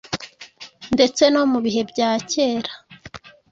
ndetse no mu bihe bya kera?